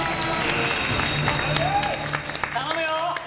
頼むよ！